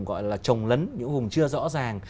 gọi là trồng lấn những vùng chưa rõ ràng